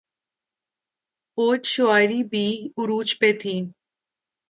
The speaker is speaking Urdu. اورشاعری بھی عروج پہ تھی۔